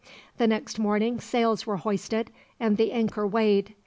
The next morning sails were hoisted and the anchor weighed.